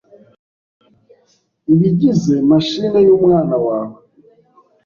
ibigize machine y’umwana wawe